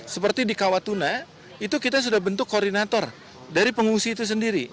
seperti di kawatuna itu kita sudah bentuk koordinator dari pengungsi itu sendiri